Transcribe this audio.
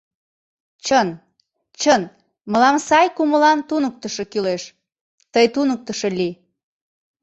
Чын. чын... мылам сай кумылан туныктышо кӱлеш: тый туныктышо лий...